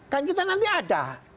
kan kita nanti ada